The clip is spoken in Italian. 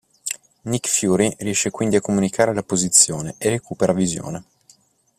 Nick Fury riesce quindi a comunicare la posizione e recupera Visione.